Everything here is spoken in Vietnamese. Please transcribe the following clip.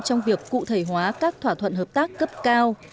trong việc cụ thể hóa các thỏa thuận hợp tác cấp cao